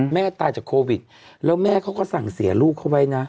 แม่ตายจากโควิดแล้วแม่เขาก็สั่งเสียลูกเขาไว้นะ